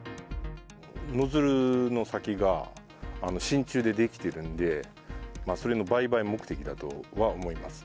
ノズルの先がしんちゅうで出来てるんで、それの売買目的だとは思います。